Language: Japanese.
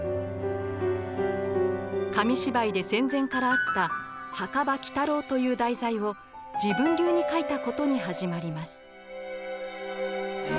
紙芝居で戦前からあった「墓場奇太郎」という題材を自分流に描いたことに始まります。